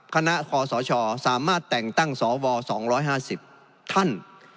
คณะคอสชสามารถแต่งตั้งสว๒๕๐ท่าน